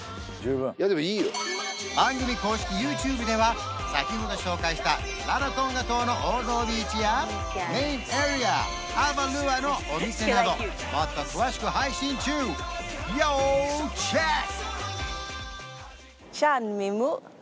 番組公式ＹｏｕＴｕｂｅでは先ほど紹介したラロトンガ島の王道ビーチやメインエリアアバルアのお店などもっと詳しく配信中要チェック！